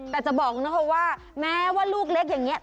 แต่จะบอกนะคะว่าแม้ว่าลูกเล็กอย่างนี้